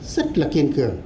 rất là kiên cường